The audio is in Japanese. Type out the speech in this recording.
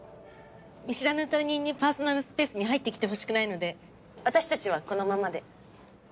見知らぬ他人にパーソナルスペースに入ってきてほしくないので私たちはこのままで。